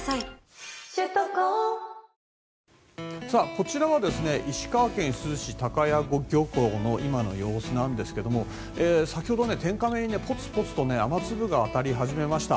こちらは石川県珠洲市高屋漁港の今の様子なんですけども先ほど、天カメにぽつぽつと雨粒が当たり始めました。